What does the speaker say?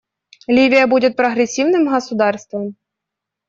Ливия будет прогрессивным государством.